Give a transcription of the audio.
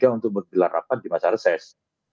untuk berpilarapan di masa reses